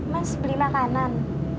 mas beli makanan